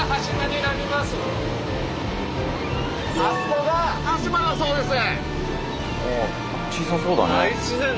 あそこが端島だそうです。